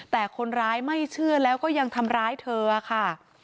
แต่คนร้ายไม่เชื่อแล้วก็ยังทำร้ายเธอค่ะ